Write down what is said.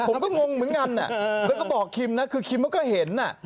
ผมก็งงเหมือนกันแล้วก็บอกคิมนะคือคิมมันก็เห็น